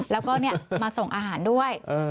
แล้วก็มาส่งอาหารด้วย